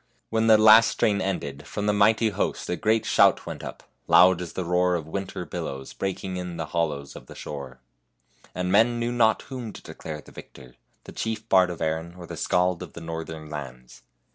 When the last strain ended, from the mighty host a great shout went up, loud as the roar of winter billows breaking in the hollows of the shore; and men knew not whom to declare the victor, the chief bard of Erin or the Skald of the northern lands.